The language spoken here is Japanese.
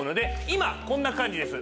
今こんな感じです。